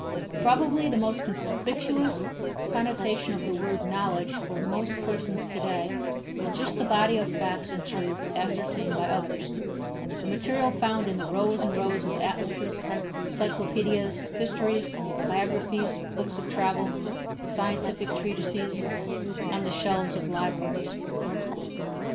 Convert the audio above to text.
Probably the most conspicuous connotation of the word knowledge for most persons to day is just the body of facts and truths ascertained by others; the material found in the rows and rows of atlases, cyclopedias, histories, biographies, books of travel, scientific treatises, on the shelves of libraries.